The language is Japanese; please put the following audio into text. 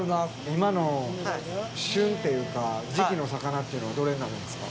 今の旬っていうか、時期の魚というのはどれになるんですか。